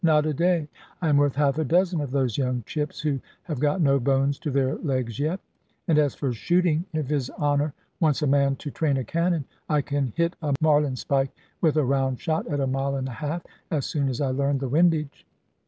Not a day. I am worth half a dozen of those young chips who have got no bones to their legs yet. And as for shooting, if his Honour wants a man to train a cannon, I can hit a marlinspike with a round shot, at a mile and a half, as soon as I learn the windage."